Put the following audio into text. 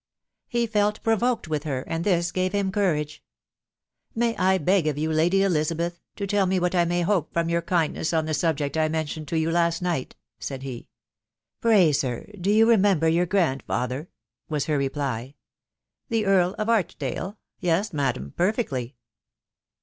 He felt provoked with her, and this gave him courage. — <r May I beg of you, Lady Elizabeth, to tell me what I may hope from your kindness on the subject I mentioned to you last night ?" said he. " Pray, sir, do you remember your grandfather ?" was her reply. " The Earl of Archdale ?.... Yes, madam, perfectly."